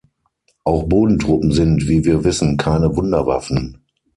Auch Bodentruppen sind, wie wir wissen, keine Wunderwaffen!